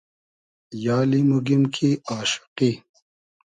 یالی موگیم کی آشوقی